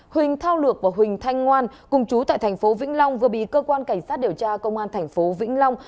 huỳnh thao lược và huỳnh thanh ngoan cùng chú tại thành phố vĩnh long vừa bị cơ quan cảnh sát điều tra công an thành phố vĩnh long